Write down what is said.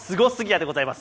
でございます。